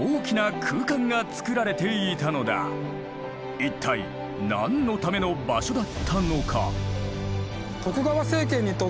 一体何のための場所だったのか？